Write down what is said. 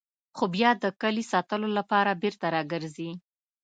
خو بیا د کلي ساتلو لپاره بېرته راګرځي.